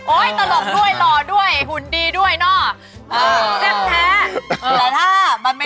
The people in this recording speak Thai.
โอ้ยตลกด้วยหุ้นดีด้วยนะ